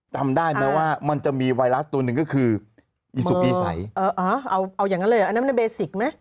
จำได้ไหมว่ามันจะมีไวรัสตัวหนึ่งก็คืออีซูปีใสเออเอาเอาอย่างนั้นเลยอันนั้นมันเบสิกไหม